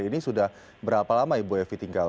kami sudah melakukan pengumuman di rumah